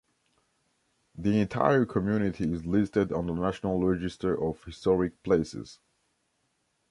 The entire community is listed on the National Register of Historic Places.